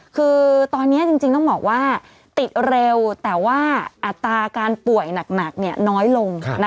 คือตอนนี้จริงต้องบอกว่าติดเร็วแต่ว่าอัตราการป่วยหนักน้อยลง